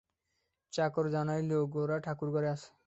চাকর জানাইল, গোরা ঠাকুরঘরে আছে।